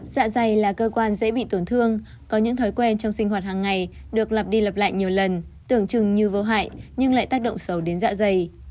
dạ dày là cơ quan dễ bị tổn thương có những thói quen trong sinh hoạt hàng ngày được lặp đi lặp lại nhiều lần tưởng chừng như vô hại nhưng lại tác động xấu đến dạ dày